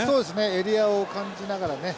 エリアを感じながらね